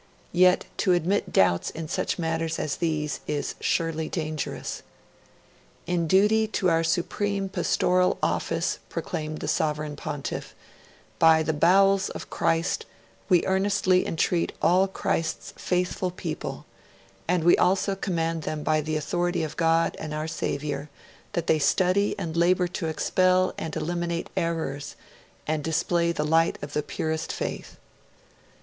Yet to admit doubts in such matters as these is surely dangerous. 'In duty to our supreme pastoral office,' proclaimed the Sovereign Pontiff, 'by the bowels of Christ we earnestly entreat all Christ's faithful people, and we also command them by the authority of God and our Saviour, that they study and labour to expel and eliminate errors and display the light of the purest faith.'